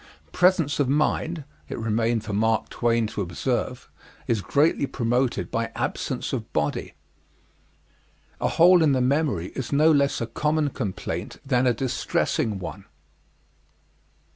Presence of mind it remained for Mark Twain to observe is greatly promoted by absence of body. A hole in the memory is no less a common complaint than a distressing one.